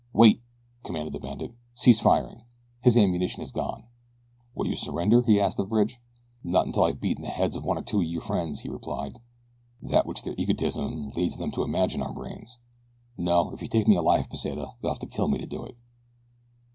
"Wait!" commanded the bandit. "Cease firing! His ammunition is gone. Will you surrender?" he asked of Bridge. "Not until I have beaten from the heads of one or two of your friends," he replied, "that which their egotism leads them to imagine are brains. No, if you take me alive, Pesita, you will have to kill me to do it."